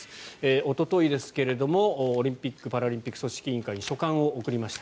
おとといですが、オリンピック・パラリンピック組織委員会に書簡を送りました。